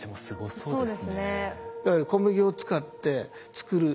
そうですね。